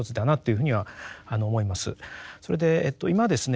それで今ですね